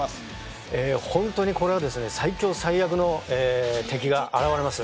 本当にこれはですね、最強最悪の敵が現れます。